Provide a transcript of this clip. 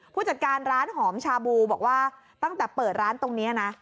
ผู้จัดการร้านหอมชาบูบอกว่าตั้งแต่เปิดร้านตรงนี้นะ